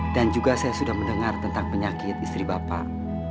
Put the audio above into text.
dan juga saya sudah mendengar tentang penyakit istri bapak